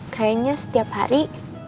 kayaknya setiap hari